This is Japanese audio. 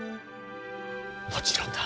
もちろんだ。